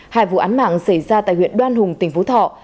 hai vụ án mạng xảy ra tại huyện đoan hùng tỉnh phú thọ